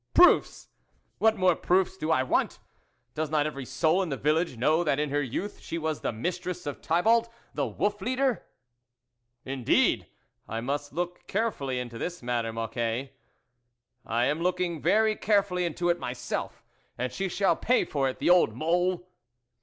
" Proofs ! What more proofs do 1 want ! Does not every soul in the village know that in her youth she was the Mistress of Thibault, the wolf leader ?"" Indeed ! I must look carefully into this matter, Mocquet." " I am looking very carefully into it myself, and she shall pay for it, the old mole